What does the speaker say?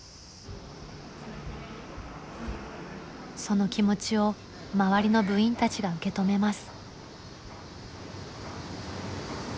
その気持ちを周りの部員たちが受け止めます。